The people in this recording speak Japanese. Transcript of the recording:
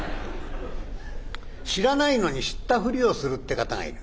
知らないのに知ったふりをするって方がいる。